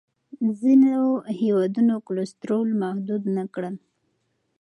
ځینو هېوادونو کلسترول محدود نه کړ.